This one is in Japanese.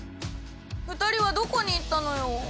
２人はどこに行ったのよ？